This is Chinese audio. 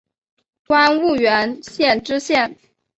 官婺源县知县。